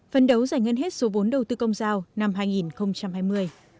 phân đấu giải ngân hết số vốn đầu tư công giao năm hai nghìn hai mươi